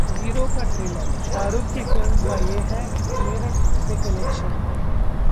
zero का trailer: Shahrukh की film का ये है मेरठ से कनेक्शन